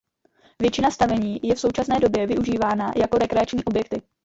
Většina stavení je v současné době využívána jako rekreační objekty.